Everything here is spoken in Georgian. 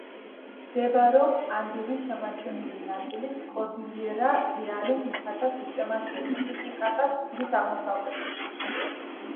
მდებარეობს ანდების შემადგენელი ნაწილის, კორდილიერა-რეალის მთათა სისტემაში, ტიტიკაკას ტბის აღმოსავლეთით.